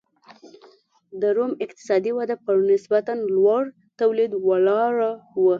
د روم اقتصادي وده پر نسبتا لوړ تولید ولاړه وه.